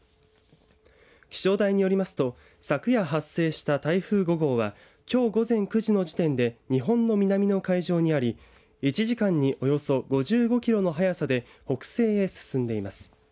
気象台によりますと昨夜発生した台風５号はきょう午前９時の時点で日本の南の海上にあり１時間におよそ５５キロの速さで北西へ進んでいます。